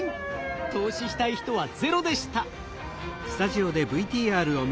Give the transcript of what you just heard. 投資したい人はゼロでした。